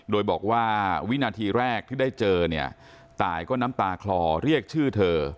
โดยบอกว่าวินาทีแรกที่ได้เจอเนี่ยตายก็น้ำตาคลอเรียกชื่อเธอ